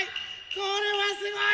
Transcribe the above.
これはすごい！